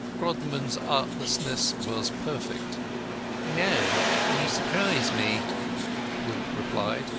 Grodman's artlessness was perfect. "No. You surprise me," Wimp replied.